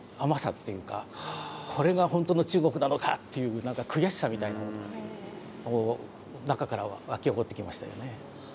これが本当の中国なのかっていう何か悔しさみたいなもの中からはわき起こってきましたよね。